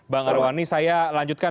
bang arwani saya lanjutkan